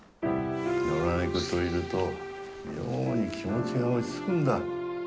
野良猫といると妙に気持ちが落ち着くんだ。